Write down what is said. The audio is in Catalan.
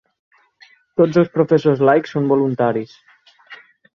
Tots els professors laics són voluntaris.